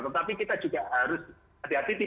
tetapi kita juga harus hati hati